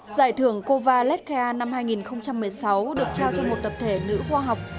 giải thưởng covalescaia năm hai nghìn một mươi sáu được trao cho một tập thể nữ khoa học